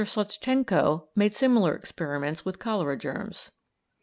Sawtschenko made similar experiments with cholera germs.